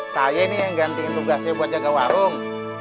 saya ini yang gantiin tugasnya buat jaga warung